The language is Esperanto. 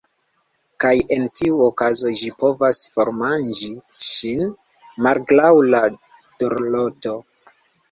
Kaj en tiu okazo ĝi povas formanĝi ŝin, malgraŭ la dorloto.